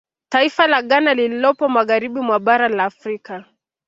Taifa la Ghana lililopo magharibi mwa bara la Afrika